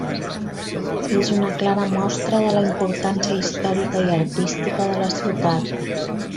És una clara mostra de la importància històrica i artística de la ciutat.